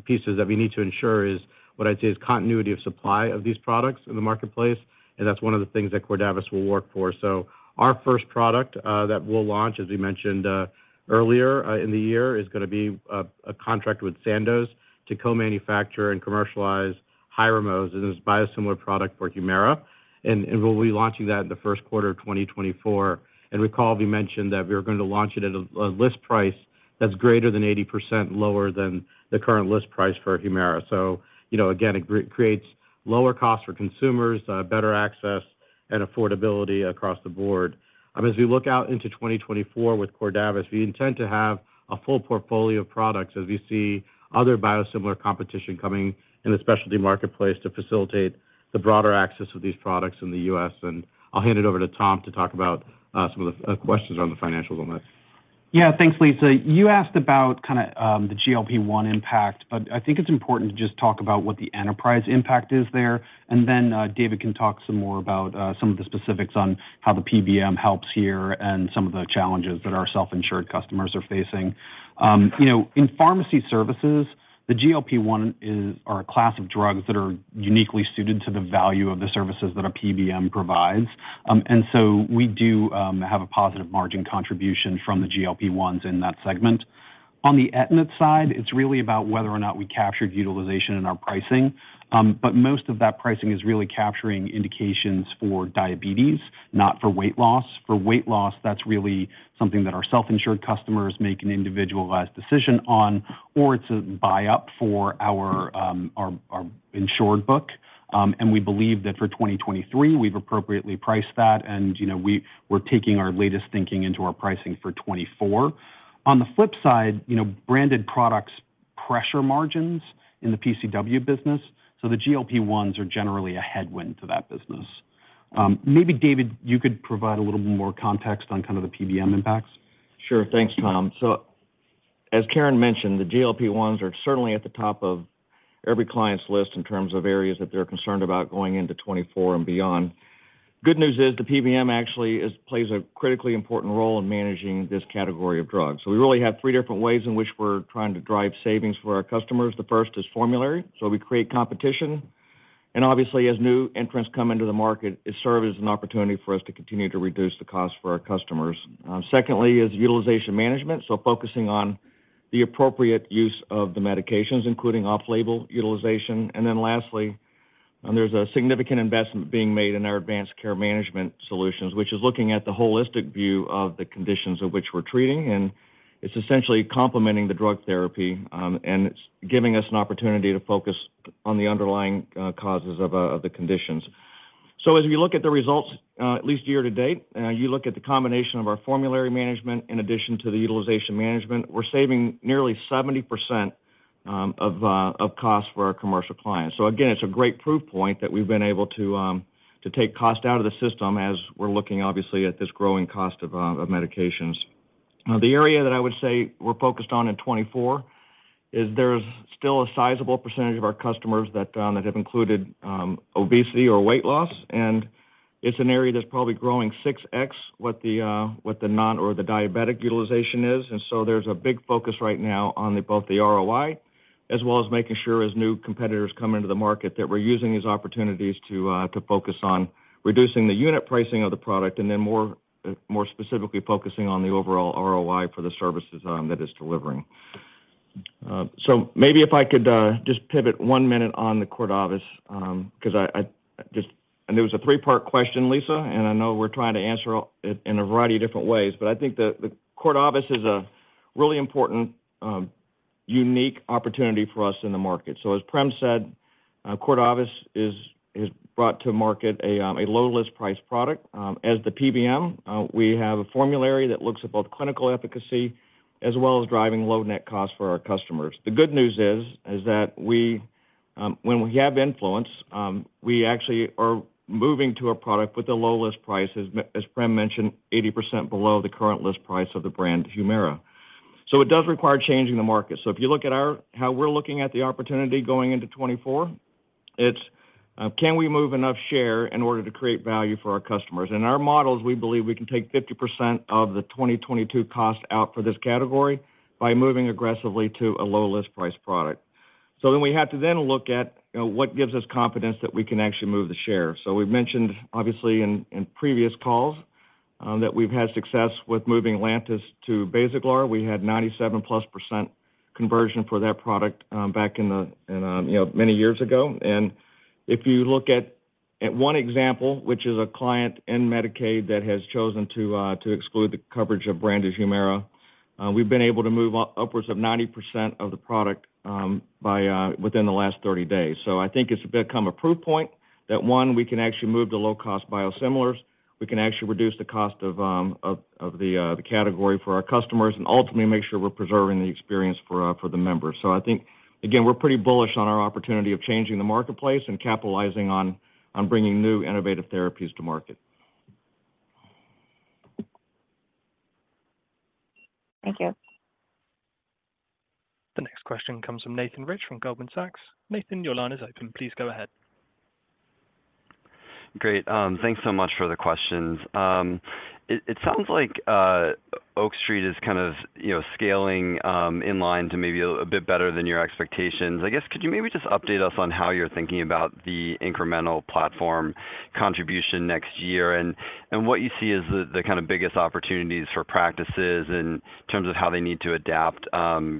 pieces that we need to ensure is, what I'd say, is continuity of supply of these products in the marketplace, and that's one of the things that Cordavis will work for. So our first product that we'll launch, as we mentioned earlier in the year, is gonna be a contract with Sandoz to co-manufacture and commercialize Hyrimoz, and it's a biosimilar product for Humira. And we'll be launching that in the first quarter of 2024. And recall we mentioned that we were gonna launch it at a list price that's greater than 80% lower than the current list price for Humira. So, you know, again, it creates lower costs for consumers, better access and affordability across the board. As we look out into 2024 with Cordavis, we intend to have a full portfolio of products as we see other biosimilar competition coming in the specialty marketplace to facilitate the broader access of these products in the U.S. And I'll hand it over to Tom to talk about some of the questions on the financials on this. Yeah. Thanks, Lisa. You asked about kinda the GLP-1 impact, but I think it's important to just talk about what the enterprise impact is there, and then David can talk some more about some of the specifics on how the PBM helps here and some of the challenges that our self-insured customers are facing. You know, in pharmacy services, the GLP-1 is, are a class of drugs that are uniquely suited to the value of the services that a PBM provides. And so we do have a positive margin contribution from the GLP-1s in that segment. On the Aetna side, it's really about whether or not we captured utilization in our pricing. But most of that pricing is really capturing indications for diabetes, not for weight loss. For weight loss, that's really something that our self-insured customers make an individualized decision on, or it's a buyup for our insured book. We believe that for 2023, we've appropriately priced that, and, you know, we're taking our latest thinking into our pricing for 2024. On the flip side, you know, branded products pressure margins in the PCW business, so the GLP-1s are generally a headwind to that business. Maybe, David, you could provide a little more context on kind of the PBM impacts. Sure. Thanks, Tom. So as Karen mentioned, the GLP-1s are certainly at the top of every client's list in terms of areas that they're concerned about going into 2024 and beyond. Good news is, the PBM actually plays a critically important role in managing this category of drugs. So we really have three different ways in which we're trying to drive savings for our customers. The first is formulary. So we create competition, and obviously, as new entrants come into the market, it serves as an opportunity for us to continue to reduce the cost for our customers. Secondly, is utilization management, so focusing on the appropriate use of the medications, including off-label utilization. And then lastly, there's a significant investment being made in our advanced care management solutions, which is looking at the holistic view of the conditions of which we're treating, and it's essentially complementing the drug therapy, and it's giving us an opportunity to focus on the underlying causes of the conditions. So as we look at the results, at least year to date, you look at the combination of our formulary management, in addition to the utilization management, we're saving nearly 70% of costs for our commercial clients. So again, it's a great proof point that we've been able to to take cost out of the system as we're looking obviously at this growing cost of medications. The area that I would say we're focused on in 2024 is there's still a sizable percentage of our customers that that have included obesity or weight loss, and it's an area that's probably growing 6x what the what the non or the diabetic utilization is. And so there's a big focus right now on both the ROI, as well as making sure as new competitors come into the market, that we're using these opportunities to to focus on reducing the unit pricing of the product, and then more more specifically, focusing on the overall ROI for the services that it's delivering. So maybe if I could just pivot one minute on the Cordavis, 'cause I just and it was a three-part question, Lisa, and I know we're trying to answer it in a variety of different ways. But I think the Cordavis is a really important unique opportunity for us in the market. So as Prem said, Cordavis is brought to market a low list price product. As the PBM, we have a formulary that looks at both clinical efficacy as well as driving low net costs for our customers. The good news is that we, when we have influence, we actually are moving to a product with the lowest price, as Prem mentioned, 80% below the current list price of the brand, Humira. So it does require changing the market. So if you look at our how we're looking at the opportunity going into 2024, it's can we move enough share in order to create value for our customers? In our models, we believe we can take 50% of the 2022 costs out for this category by moving aggressively to a low list price product. So then we have to then look at, you know, what gives us confidence that we can actually move the share. So we've mentioned, obviously, in previous calls, that we've had success with moving Lantus to Basaglar. We had 97%+ conversion for that product, back in the you know many years ago. If you look at one example, which is a client in Medicaid that has chosen to exclude the coverage of branded Humira, we've been able to move upwards of 90% of the product by within the last 30 days. So I think it's become a proof point, that one, we can actually move to low-cost biosimilars. We can actually reduce the cost of the category for our customers and ultimately, make sure we're preserving the experience for the members. So I think, again, we're pretty bullish on our opportunity of changing the marketplace and capitalizing on bringing new innovative therapies to market. Thank you. The next question comes from Nathan Rich, from Goldman Sachs. Nathan, your line is open. Please go ahead. Great, thanks so much for the questions. It sounds like Oak Street is kind of, you know, scaling in line to maybe a bit better than your expectations. I guess, could you maybe just update us on how you're thinking about the incremental platform contribution next year, and what you see as the kind of biggest opportunities for practices in terms of how they need to adapt,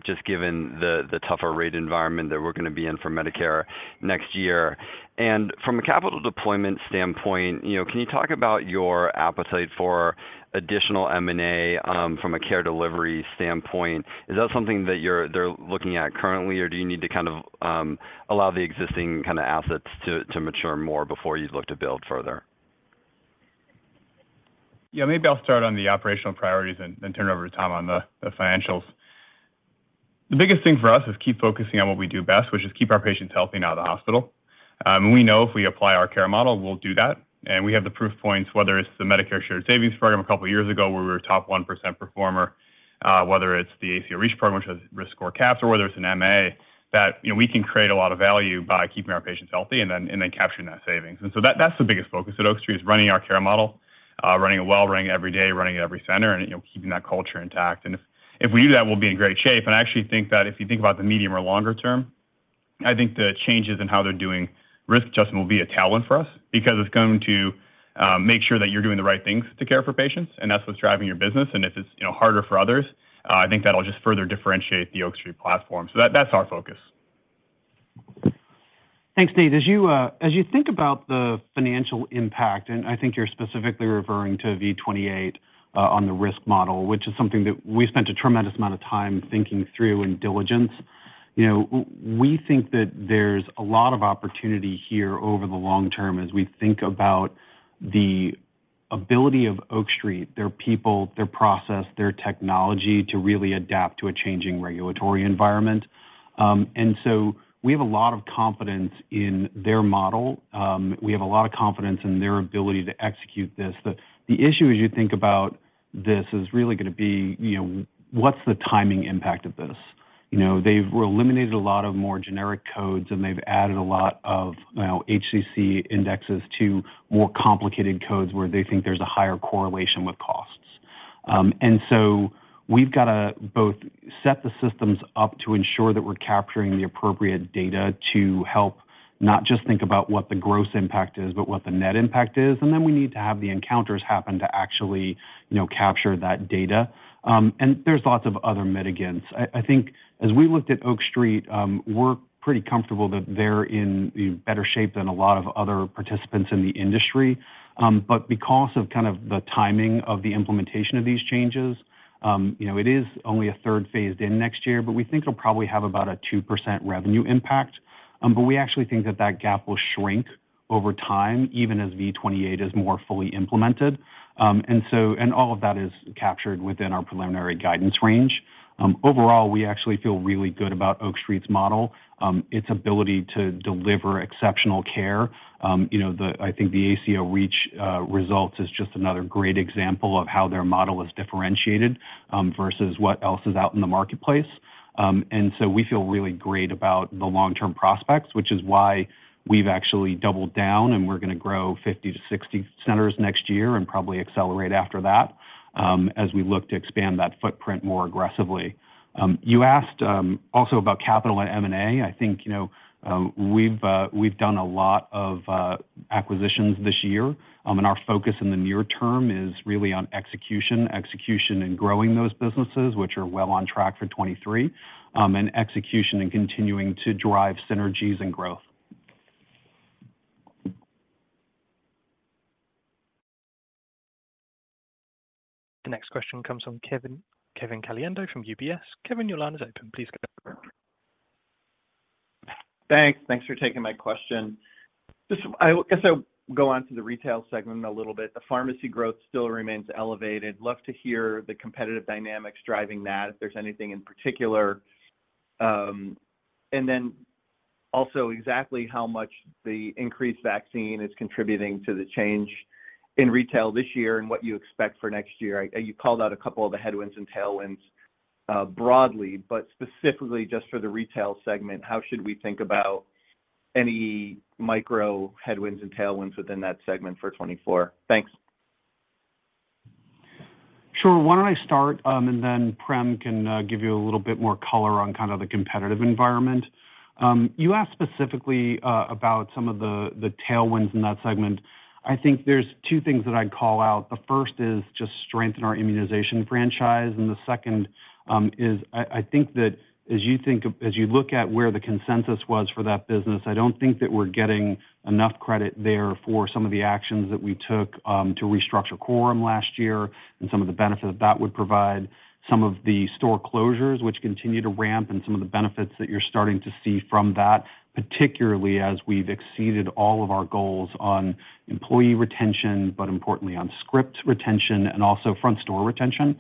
just given the tougher rate environment that we're gonna be in for Medicare next year? And from a capital deployment standpoint, you know, can you talk about your appetite for additional M&A from a care delivery standpoint? Is that something that you're, they're looking at currently, or do you need to kind of allow the existing kinda assets to mature more before you look to build further? Yeah, maybe I'll start on the operational priorities and turn it over to Tom on the financials. The biggest thing for us is keep focusing on what we do best, which is keep our patients healthy and out of the hospital. We know if we apply our care model, we'll do that. And we have the proof points, whether it's the Medicare Shared Savings Program a couple years ago, where we were top 1% performer, whether it's the ACO REACH program, which has risk score caps, or whether it's an MA, that you know we can create a lot of value by keeping our patients healthy and then capturing that savings. And so that's the biggest focus at Oak Street, is running our care model, running it well, running every day, running every center, and you know keeping that culture intact. If we do that, we'll be in great shape. And I actually think that if you think about the medium or longer term, I think the changes in how they're doing risk adjustment will be a tailwind for us because it's going to make sure that you're doing the right things to care for patients, and that's what's driving your business. And if it's, you know, harder for others, I think that'll just further differentiate the Oak Street platform. So that, that's our focus. Thanks, Nate. As you think about the financial impact, and I think you're specifically referring to V28 on the risk model, which is something that we spent a tremendous amount of time thinking through and diligence. You know, we think that there's a lot of opportunity here over the long term as we think about the ability of Oak Street, their people, their process, their technology to really adapt to a changing regulatory environment. And so we have a lot of confidence in their model. We have a lot of confidence in their ability to execute this. The issue, as you think about this, is really gonna be, you know, what's the timing impact of this? You know, they've eliminated a lot of more generic codes, and they've added a lot of HCC indexes to more complicated codes, where they think there's a higher correlation with cost. And so we've got to both set the systems up to ensure that we're capturing the appropriate data to help, not just think about what the gross impact is, but what the net impact is. And then we need to have the encounters happen to actually, you know, capture that data. And there's lots of other mitigants. I think as we looked at Oak Street, we're pretty comfortable that they're in better shape than a lot of other participants in the industry. But because of kind of the timing of the implementation of these changes, you know, it is only a third phased in next year, but we think it'll probably have about a 2% revenue impact. But we actually think that that gap will shrink over time, even as V28 is more fully implemented. And so, and all of that is captured within our preliminary guidance range. Overall, we actually feel really good about Oak Street's model, its ability to deliver exceptional care. You know, the—I think the ACO REACH results is just another great example of how their model is differentiated, versus what else is out in the marketplace. And so we feel really great about the long-term prospects, which is why we've actually doubled down, and we're going to grow 50-60 centers next year and probably accelerate after that, as we look to expand that footprint more aggressively. You asked also about capital at M&A. I think, you know, we've done a lot of acquisitions this year, and our focus in the near term is really on execution, execution and growing those businesses, which are well on track for 2023, and execution and continuing to drive synergies and growth. The next question comes from Kevin, Kevin Caliendo from UBS. Kevin, your line is open. Please go ahead. Thanks. Thanks for taking my question. Just guess I'll go on to the retail segment a little bit. The pharmacy growth still remains elevated. Love to hear the competitive dynamics driving that, if there's anything in particular. And then also exactly how much the increased vaccine is contributing to the change in retail this year and what you expect for next year. You called out a couple of the headwinds and tailwinds, broadly, but specifically just for the retail segment, how should we think about any micro headwinds and tailwinds within that segment for 2024? Thanks. Sure. Why don't I start, and then Prem can give you a little bit more color on kind of the competitive environment? You asked specifically about some of the tailwinds in that segment. I think there's two things that I'd call out. The first is just strengthen our immunization franchise, and the second is I think that as you look at where the consensus was for that business, I don't think that we're getting enough credit there for some of the actions that we took to restructure Coram last year and some of the benefits that would provide. Some of the store closures, which continue to ramp, and some of the benefits that you're starting to see from that, particularly as we've exceeded all of our goals on employee retention, but importantly on script retention and also front store retention.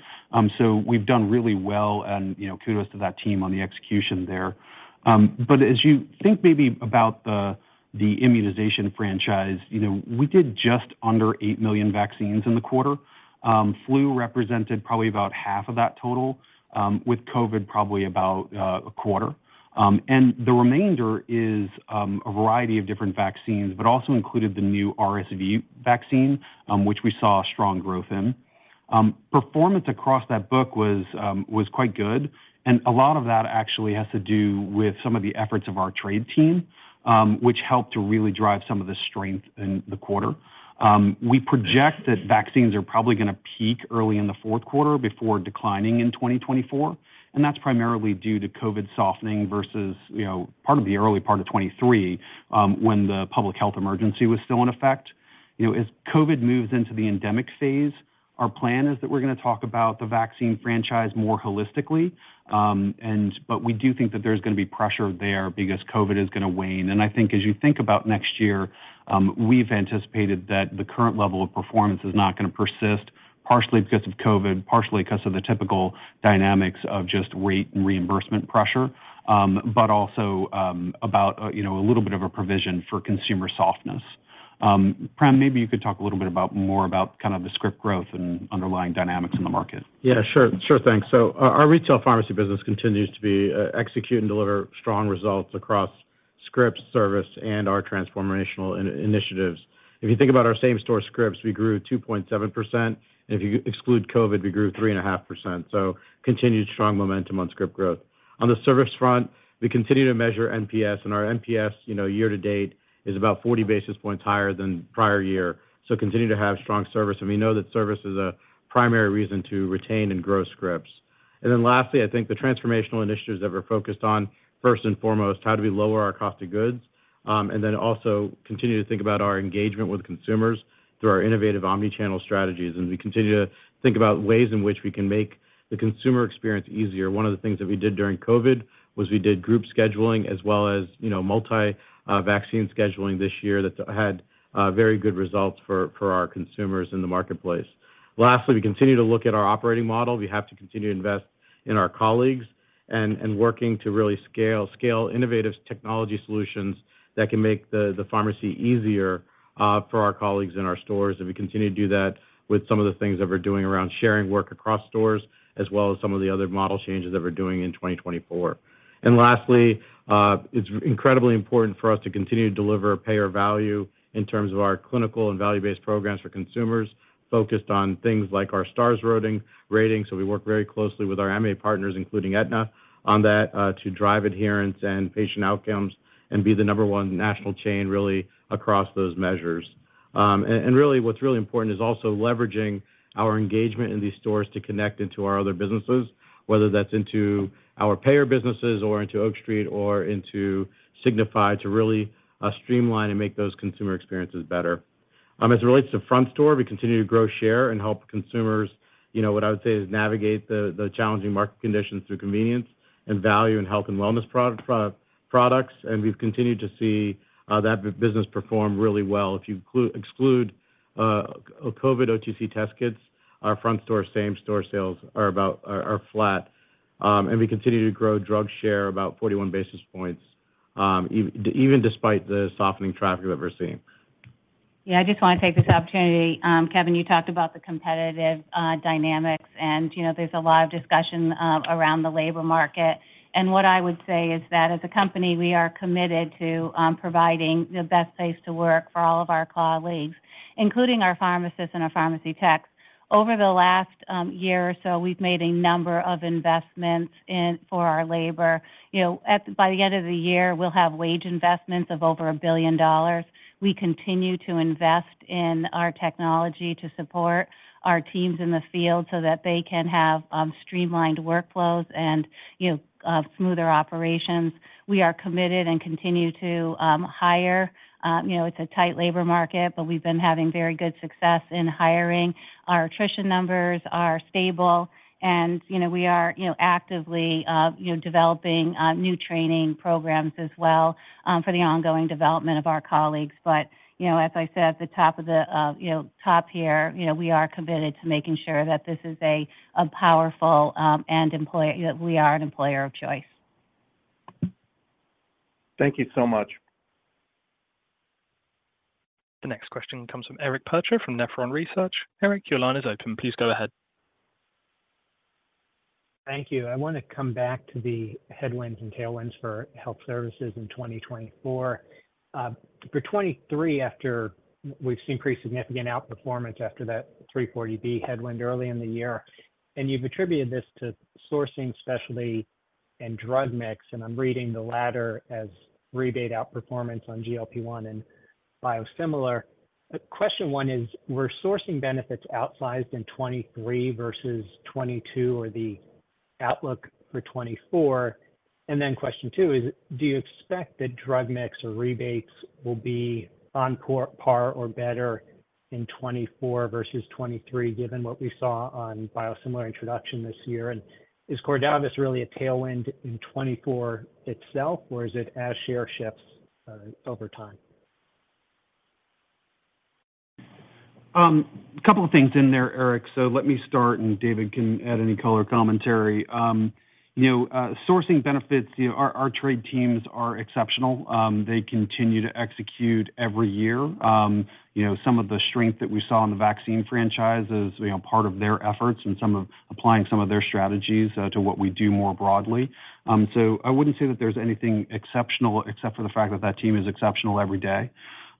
So we've done really well, and, you know, kudos to that team on the execution there. But as you think maybe about the immunization franchise, you know, we did just under 8 million vaccines in the quarter. Flu represented probably about half of that total, with COVID probably about a quarter. And the remainder is a variety of different vaccines, but also included the new RSV vaccine, which we saw a strong growth in. Performance across that book was quite good, and a lot of that actually has to do with some of the efforts of our trade team, which helped to really drive some of the strength in the quarter. We project that vaccines are probably going to peak early in the fourth quarter before declining in 2024, and that's primarily due to COVID softening versus, you know, part of the early part of 2023, when the public health emergency was still in effect. You know, as COVID moves into the endemic phase, our plan is that we're going to talk about the vaccine franchise more holistically, and but we do think that there's going to be pressure there because COVID is going to wane. I think as you think about next year, we've anticipated that the current level of performance is not going to persist, partially because of COVID, partially because of the typical dynamics of just rate and reimbursement pressure, but also about, you know, a little bit of a provision for consumer softness. Prem, maybe you could talk a little bit about, more about kind of the script growth and underlying dynamics in the market. Yeah, sure. Sure thing. So our retail pharmacy business continues to execute and deliver strong results across scripts, service, and our transformational initiatives. If you think about our same-store scripts, we grew 2.7%, and if you exclude COVID, we grew 3.5%, so continued strong momentum on script growth. On the service front, we continue to measure NPS, and our NPS, you know, year to date, is about 40 basis points higher than prior year. So continue to have strong service, and we know that service is a primary reason to retain and grow scripts. And then lastly, I think the transformational initiatives that we're focused on, first and foremost, how do we lower our cost of goods? And then also continue to think about our engagement with consumers through our innovative omni-channel strategies. We continue to think about ways in which we can make the consumer experience easier. One of the things that we did during COVID was we did group scheduling as well as, you know, multi, vaccine scheduling this year that had, very good results for, for our consumers in the marketplace. Lastly, we continue to look at our operating model. We have to continue to invest in our colleagues and working to really scale innovative technology solutions that can make the pharmacy easier, for our colleagues in our stores. We continue to do that with some of the things that we're doing around sharing work across stores, as well as some of the other model changes that we're doing in 2024. Lastly, it's incredibly important for us to continue to deliver payer value in terms of our clinical and value-based programs for consumers, focused on things like our Star Ratings. So we work very closely with our MA partners, including Aetna, on that, to drive adherence and patient outcomes and be the number one national chain, really, across those measures.... and really, what's really important is also leveraging our engagement in these stores to connect into our other businesses, whether that's into our payer businesses or into Oak Street or into Signify, to really streamline and make those consumer experiences better. As it relates to front store, we continue to grow share and help consumers, you know, what I would say is navigate the challenging market conditions through convenience and value and health and wellness products. And we've continued to see that business perform really well. If you exclude COVID OTC test kits, our front store same-store sales are about flat. And we continue to grow drug share about 41 basis points, even despite the softening traffic that we're seeing. Yeah, I just want to take this opportunity. Kevin, you talked about the competitive dynamics, and, you know, there's a lot of discussion around the labor market. And what I would say is that as a company, we are committed to providing the best place to work for all of our colleagues, including our pharmacists and our pharmacy techs. Over the last year or so, we've made a number of investments in for our labor. You know, by the end of the year, we'll have wage investments of over $1 billion. We continue to invest in our technology to support our teams in the field so that they can have streamlined workflows and, you know, smoother operations. We are committed and continue to hire. You know, it's a tight labor market, but we've been having very good success in hiring. Our attrition numbers are stable and, you know, we are, you know, actively, you know, developing new training programs as well, for the ongoing development of our colleagues. But, you know, as I said, at the top of the, you know, top here, you know, we are committed to making sure that this is a, a powerful, and employ-- that we are an employer of choice. Thank you so much. The next question comes from Eric Percher from Nephron Research. Eric, your line is open. Please go ahead. Thank you. I want to come back to the headwinds and tailwinds for health services in 2024. For 2023, after we've seen pretty significant outperformance after that 340B headwind early in the year, and you've attributed this to sourcing, specialty, and drug mix, and I'm reading the latter as rebate outperformance on GLP-1 and biosimilar. Question one is, were sourcing benefits outsized in 2023 versus 2022, or the outlook for 2024? And then question two is, do you expect that drug mix or rebates will be on par or better in 2024 versus 2023, given what we saw on biosimilar introduction this year? And is Cordavis really a tailwind in 2024 itself, or is it as share shifts over time? A couple of things in there, Eric. So let me start, and David can add any color or commentary. You know, sourcing benefits, you know, our trade teams are exceptional. They continue to execute every year. You know, some of the strength that we saw in the vaccine franchise is, you know, part of their efforts and some of applying some of their strategies to what we do more broadly. So I wouldn't say that there's anything exceptional, except for the fact that that team is exceptional every day.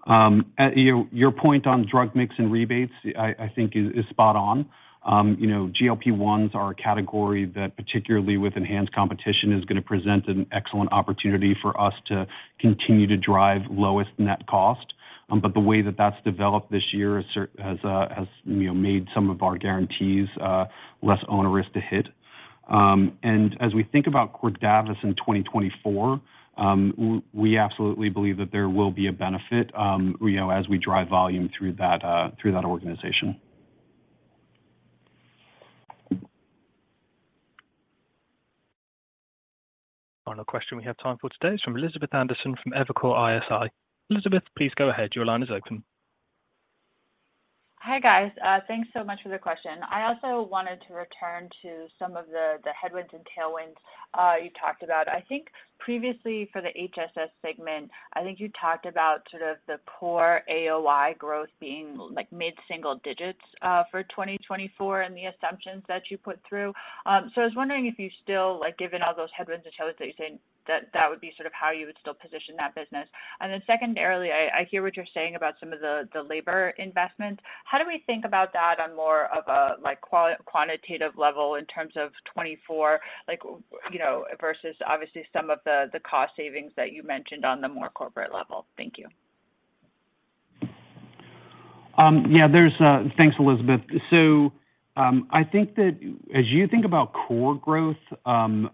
And, you know, your point on drug mix and rebates, I think, is spot on. You know, GLP-1s are a category that, particularly with enhanced competition, is gonna present an excellent opportunity for us to continue to drive lowest net cost. But the way that that's developed this year has, you know, made some of our guarantees less onerous to hit. As we think about Cordavis in 2024, we absolutely believe that there will be a benefit, you know, as we drive volume through that, through that organization. Final question we have time for today is from Elizabeth Anderson, from Evercore ISI. Elizabeth, please go ahead. Your line is open. Hi, guys. Thanks so much for the question. I also wanted to return to some of the headwinds and tailwinds you talked about. I think previously for the HSS segment, I think you talked about sort of the poor AOI growth being like mid-single digits for 2024 and the assumptions that you put through. So I was wondering if you still, like, given all those headwinds and tailwinds, that you're saying that that would be sort of how you would still position that business. And then secondarily, I hear what you're saying about some of the labor investments. How do we think about that on more of a, like, qualitative-quantitative level in terms of 2024, like, you know, versus obviously some of the cost savings that you mentioned on the more corporate level? Thank you. Yeah. Thanks, Elizabeth. So, I think that as you think about core growth, I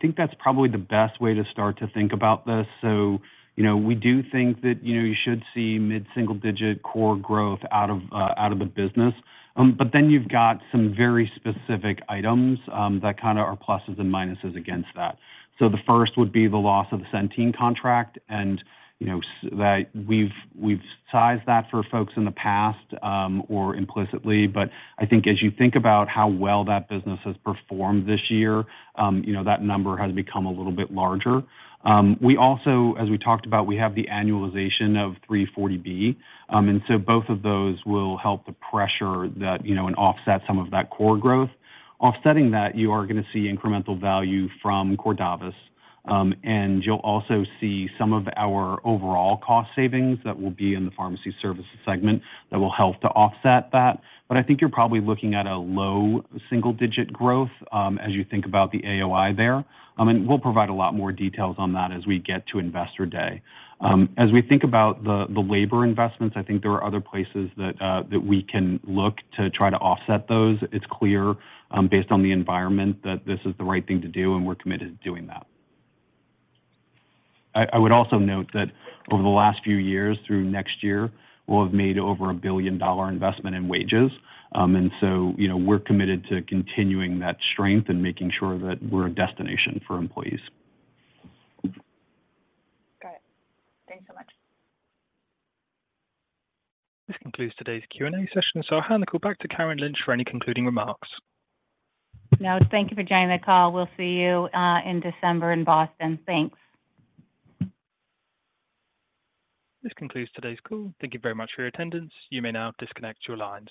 think that's probably the best way to start to think about this. So, you know, we do think that, you know, you should see mid-single-digit core growth out of the business. But then you've got some very specific items that kind of are pluses and minuses against that. So the first would be the loss of the Centene contract, and, you know, that we've sized that for folks in the past, or implicitly. But I think as you think about how well that business has performed this year, you know, that number has become a little bit larger. We also, as we talked about, we have the annualization of 340B, and so both of those will help the pressure that, you know, and offset some of that core growth. Offsetting that, you are gonna see incremental value from Cordavis, and you'll also see some of our overall cost savings that will be in the pharmacy services segment that will help to offset that. But I think you're probably looking at a low double-digit growth, as you think about the AOI there. And we'll provide a lot more details on that as we get to Investor Day. As we think about the labor investments, I think there are other places that we can look to try to offset those. It's clear, based on the environment, that this is the right thing to do, and we're committed to doing that. I would also note that over the last few years, through next year, we'll have made over a $1 billion investment in wages. And so, you know, we're committed to continuing that strength and making sure that we're a destination for employees. Got it. Thanks so much. This concludes today's Q&A session, so I'll hand it back to Karen Lynch for any concluding remarks. No, thank you for joining the call. We'll see you in December in Boston. Thanks. This concludes today's call. Thank you very much for your attendance. You may now disconnect your lines.